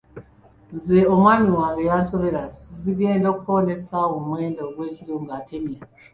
Nze omwami wange yansobera, zigenda okukoona essaawa mwenda ogw’ekiro ng’atemya.